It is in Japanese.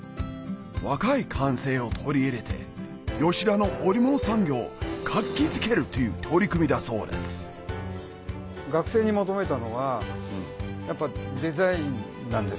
若い感性を取り入れて吉田の織物産業を活気づけるという取り組みだそうですを学生に求めて。